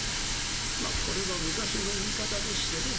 まあこれは昔の言い方でしてね。